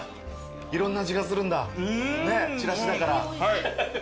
いろんな味がするんだちらしだから。